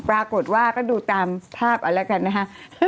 ปรากฏว่าก็ดูตามภาพเอาแล้วกันนะฮะ